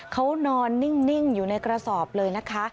เขานอนนิ่งอยู่ในกระสอบเลยนะคะ